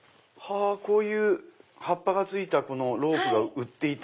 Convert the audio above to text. こういう葉っぱが付いたロープが売っていた。